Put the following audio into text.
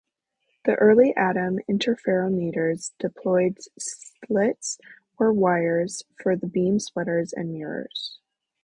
The early atom interferometers deployed slits or wires for the beam splitters and mirrors.